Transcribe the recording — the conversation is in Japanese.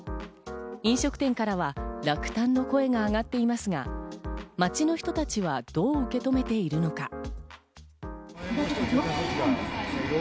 飲食店からは落胆の声が上がっていますが、街の人たちはどう受け止めているのか？